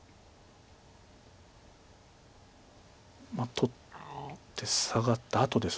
取ってサガったあとです。